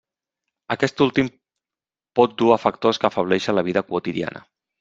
Aquest últim pot dur a factors que afebleixen la vida quotidiana.